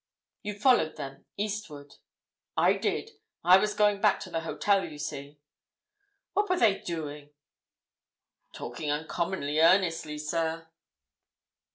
"You followed them eastward?" "I did—I was going back to the hotel, you see." "What were they doing?" "Talking uncommonly earnestly, sir."